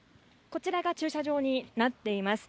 こちらが駐車場になっています。